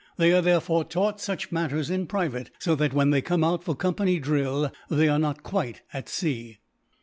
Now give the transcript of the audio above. They are therefore taught such matters in private so that, when they come out for company drill, they are not quite at sea."